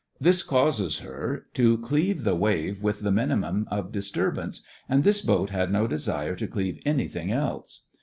This causes her to cleave the wave with the minimum of dis turbance, and this boat had no desire to cleave anything else.